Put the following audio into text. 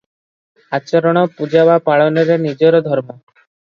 ଆଚରଣ, ପୂଜା ବା ପାଳନରେ ନିଜର ଧର୍ମ ।